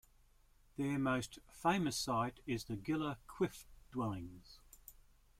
Their most famous site is the Gila Cliff Dwellings.